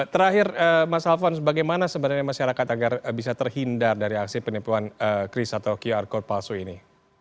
terakhir mas alfon bagaimana sebenarnya masyarakat agar bisa terhindar dari aksi penipuan kris atau qr code palsu ini